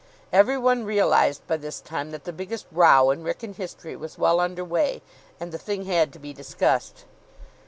Every one realised by this time that the biggest row in Wrykyn history was well under way; and the thing had to be discussed.